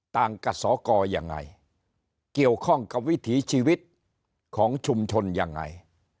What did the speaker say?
ต่างกับสกยังไงเกี่ยวข้องกับวิถีชีวิตของชุมชนยังไง